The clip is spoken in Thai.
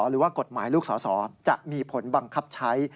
หรือว่ากฎหมายลูกสอสอจะมีผลบังคับใช้